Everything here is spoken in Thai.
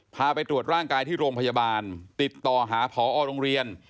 ไปตรวจร่างกายที่โรงพยาบาลติดต่อหาผอโรงเรียน